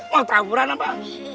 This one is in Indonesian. mau taburan apa